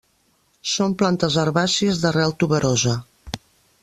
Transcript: Són plantes herbàcies d'arrel tuberosa.